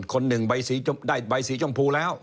คนหนึ่งใบได้ใบสีชมพูแล้ว